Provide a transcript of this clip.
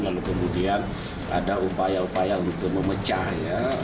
lalu kemudian ada upaya upaya untuk memecah ya